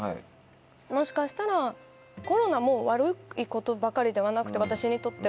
もしかしたらコロナも悪いことばかりではなくて私にとっては。